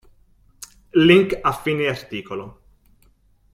Link a fine articolo.